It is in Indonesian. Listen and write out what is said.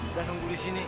udah nunggu disini